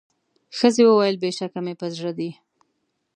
ښځي وویل بېشکه مي په زړه دي